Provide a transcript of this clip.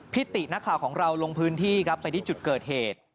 ตินักข่าวของเราลงพื้นที่ครับไปที่จุดเกิดเหตุ